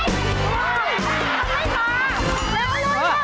ยินดี